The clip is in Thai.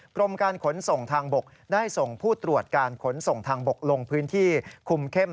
กรมการขนส่งทางบกได้ส่งผู้ตรวจการขนส่งทางบกลงพื้นที่คุมเข้ม